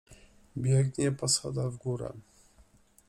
Biegnie po schodach w górę.